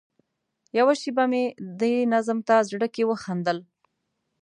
یوه شېبه مې دې نظم ته زړه کې وخندل.